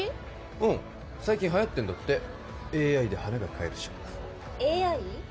うん最近はやってんだってＡＩで花が買えるショップＡＩ？